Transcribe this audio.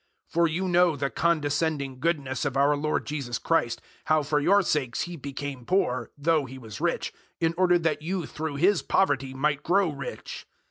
008:009 For you know the condescending goodness of our Lord Jesus Christ how for your sakes He became poor, though He was rich, in order that you through His poverty might grow rich.